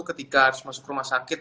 ketika harus masuk rumah sakit